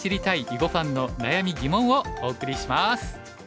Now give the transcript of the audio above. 囲碁ファンの悩み、疑問」をお送りします。